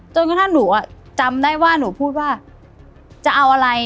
จนกระทั่งหนูจำได้ว่าหนูพูดว่าจะเอาอะไร